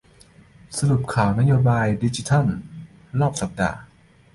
สรุปข่าวนโยบายดิจิทัลรอบสัปดาห์